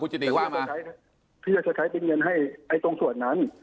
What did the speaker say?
คุณจิตติว่ามาพี่จะใช้เป็นเงินให้ไอ้ตรงส่วนนั้น